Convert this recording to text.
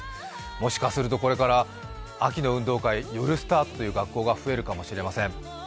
もしかするとこれから秋の運動会夜スタートという学校が増えるかもしれません。